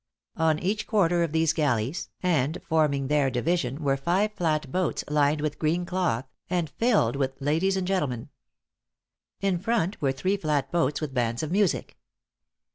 On each quarter of these galleys, and forming their division, were five flat boats lined with green cloth, and filled with ladies and gentlemen. In front were three flat boats, with bands of music.